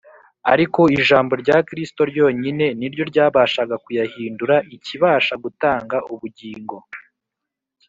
ariko ijambo rya Kristo ryonyine ni ryo ryabashaga kuyahindura ikibasha gutanga ubugingo